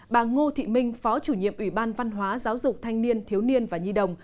bà ngô thị minh phó chủ nhiệm ủy ban văn hóa giáo dục thanh niên thiếu niên và nhi đồng